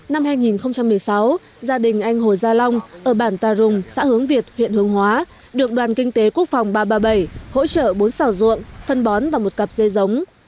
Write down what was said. năm hai nghìn một mươi sáu gia đình anh hồ gia long ở bản tà rùng xã hướng việt huyện hướng hóa được đoàn kinh tế quốc phòng ba trăm ba mươi bảy hỗ trợ bốn xảo ruộng phân bón và một cặp dê giống